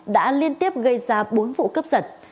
đã liên tiếp gây ra bộ phát triển